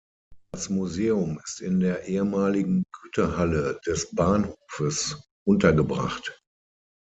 Das Museum ist in der ehemaligen Güterhalle des Bahnhofes untergebracht.